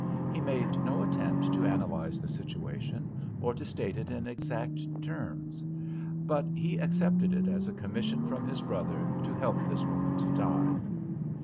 He made no attempt to analyse the situation or to state it in exact terms; but he accepted it as a commission from his brother to help this woman to die.